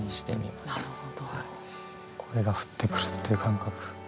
「声が降ってくる」っていう感覚。